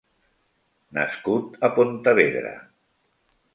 Nascut a Pontevedra.